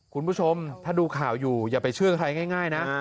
คุณผู้ชมถ้าดูข่าวอยู่อย่าไปเชื่อใครง่ายนะ